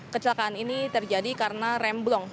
kecelakaan ini terjadi karena remblong